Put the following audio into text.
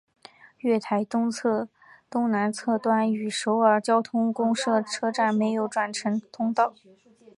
月台东南侧端与首尔交通公社车站设有转乘通道。